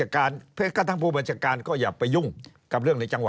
กระทั่งผู้บัญชการก็อย่าไปยุ่ง